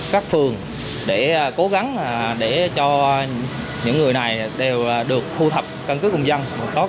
các phường để cố gắng để cho những người này đều được thu thập căn cứ công dân tốt